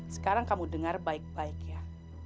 sekarang kamu dengar baik baik ya